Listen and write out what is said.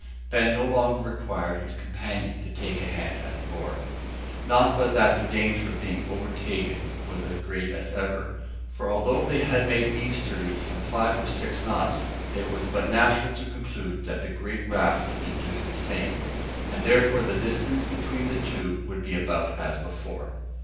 Ben no longer required his companion to take a hand at the oar. Not but that their danger of being overtaken was as great as ever; for although they had made easterly some five or six knots, it was but natural to conclude that the great raft had been doing the same; and therefore the distance between the two would be about as before.